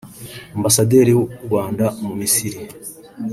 Ambasaderi w’u Rwanda mu Misiri